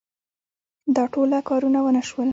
دا ټوله کارونه ونه شول.